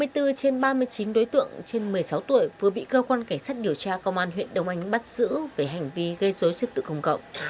hai mươi bốn trên ba mươi chín đối tượng trên một mươi sáu tuổi vừa bị cơ quan cảnh sát điều tra công an huyện đông anh bắt giữ về hành vi gây dối chất tự công cộng